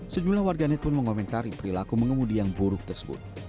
sejumlah warganet pun mengomentari perilaku mengemudi yang buruk tersebut